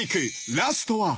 ［ラストは］